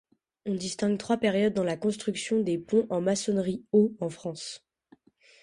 On distingue trois périodes dans la construction des ponts en maçonnerie au en France.